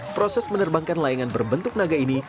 proses menerbangkan layangan berbentuk naga ini